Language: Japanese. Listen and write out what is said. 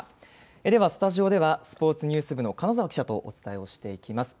ではスタジオでは、スポーツニュース部の金沢記者とお伝えをしていきます。